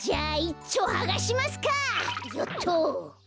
よっと。